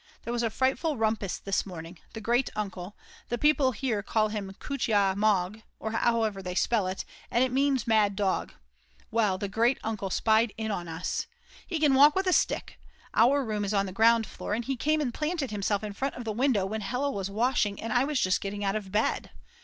There was a frightful rumpus this morning; the great uncle, the people here call him "kutya mog" or however they spell it, and it means mad dog, well, the great uncle spied in on us. He can walk with a stick, our room is on the ground floor, and he came and planted himself in front of the window when Hella was washing and I was just getting out of bed.